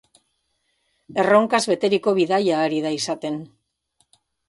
Erronkaz beteriko bidaia ari da izaten.